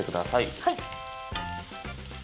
はい。